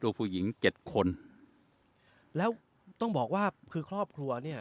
ผู้หญิงเจ็ดคนแล้วต้องบอกว่าคือครอบครัวเนี่ย